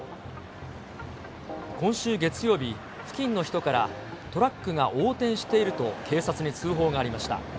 今週月曜日、付近の人からトラックが横転していると警察に通報がありました。